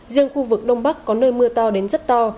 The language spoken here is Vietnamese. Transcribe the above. riêng khu vực đông bắc có nơi mưa to đến rất to